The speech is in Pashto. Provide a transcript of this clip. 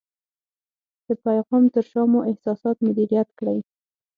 د پیغام تر شا مو احساسات مدیریت کړئ.